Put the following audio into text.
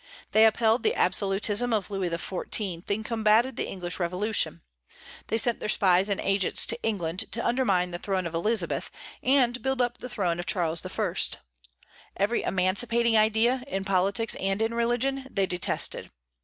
They upheld the absolutism of Louis XIV., and combated the English Revolution; they sent their spies and agents to England to undermine the throne of Elizabeth and build up the throne of Charles I. Every emancipating idea, in politics and in religion, they detested.